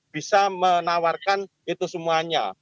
bisa menawarkan itu semuanya